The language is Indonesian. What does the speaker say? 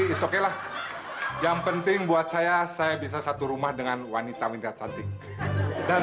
is okay lah yang penting buat saya saya bisa satu rumah dengan wanita wanita cantik dan